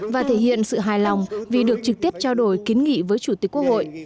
và thể hiện sự hài lòng vì được trực tiếp trao đổi kiến nghị với chủ tịch quốc hội